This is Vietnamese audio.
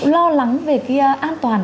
lo lắng về cái an toàn